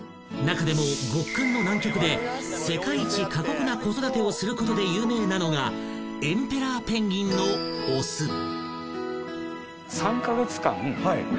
［中でも極寒の南極で世界一過酷な子育てをすることで有名なのがエンペラーペンギンの雄］